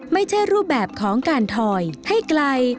ไม่ใช่รูปแบบของการถอยให้ไกล